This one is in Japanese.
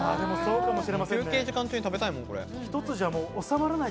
休憩時間中に食べたいもん。